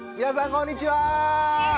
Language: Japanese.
こんにちは！